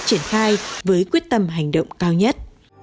triển khai với quyết tâm hành động cao nhất